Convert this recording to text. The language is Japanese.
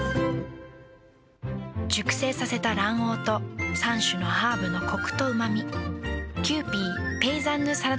熟成させた卵黄と３種のハーブのコクとうま味。